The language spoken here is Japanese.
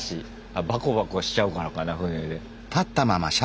あバコバコしちゃうからかな船で。